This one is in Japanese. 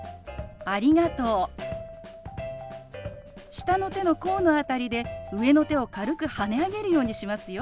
下の手の甲の辺りで上の手を軽く跳ね上げるようにしますよ。